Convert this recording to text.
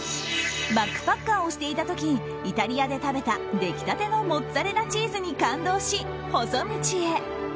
バックパッカーをしていた時イタリアで食べた出来たてのモッツァレラチーズに感動し細道へ。